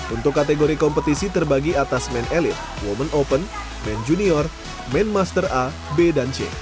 untuk kategori kompetisi terbagi atas men elite women open men junior men master a b dan c